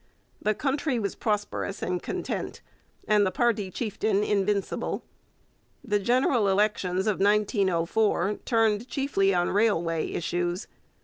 The country was prosperous and content and the party chieftain invincible. The general elections of 1904 turned chiefly on railway issues.